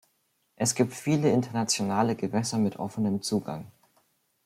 Es gibt viele internationale Gewässer mit offenem Zugang.